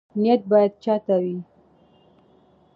نیت باید چا ته وي؟